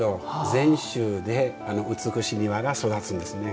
禅宗で美しい庭が育つんですね。